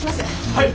はい。